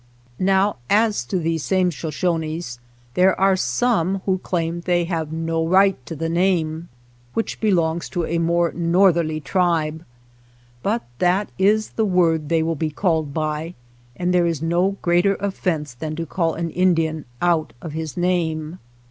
Now as to these same Shoshones there are some who claim that they have no right to the name, which belongs to a more north 91 SHOSHONE LAND erly tribe ; but that is the word they will be called by, and there is no greater offense than to call an Indian out of his name.